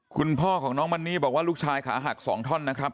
คุณพ่อของน้องมันนี่บอกว่าลูกชายขาหัก๒ท่อนนะครับ